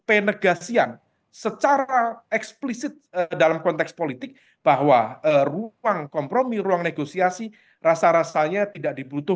penegasian secara eksplisit dalam konteks politik bahwa ruang kompromi ruang negosiasi rasa rasanya tidak dibutuhkan